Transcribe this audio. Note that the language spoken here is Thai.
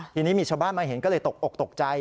ทีนี้มีชาวบ้านมาเห็นก็เลยตกอกตกใจ